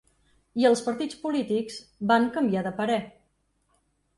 I els partits polítics van canviar de parer.